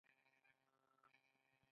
آیا د ځمکې لاندې اوبه کمې شوې نه دي؟